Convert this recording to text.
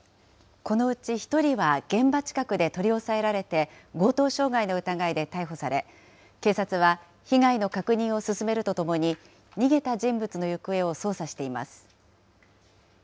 このうち１人は現場近くで取り押さえられて、強盗傷害の疑いで逮捕され、警察は被害の確認を進めるとともに、逃げた人物の行方を捜査しています。